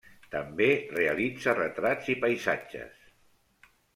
També realitza retrats i paisatges.